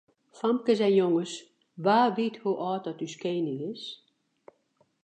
Famkes en jonges, wa wit hoe âld as ús kening is?